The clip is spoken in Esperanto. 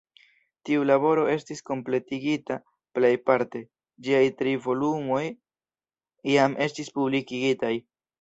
Tiu laboro estis kompletigita plejparte; ĝiaj tri volumoj jam estis publikigitaj.